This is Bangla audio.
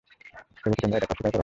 তবুও কি তোমরা এটাকে অস্বীকার কর?